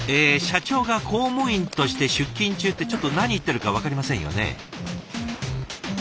社長が公務員として出勤中ってちょっと何言ってるか分かりませんよね。